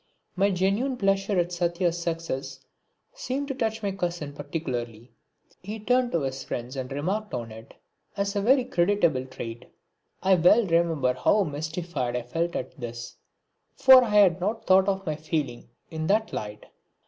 My genuine pleasure at Satya's success seemed to touch my cousin particularly. He turned to his friends and remarked on it as a very creditable trait. I well remember how mystified I felt at this, for I had not thought of my feeling in that light.